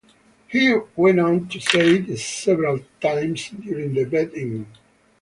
He went on to say this several times during the Bed-In.